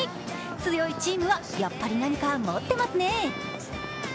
強いチームはやっぱり何か持ってますね。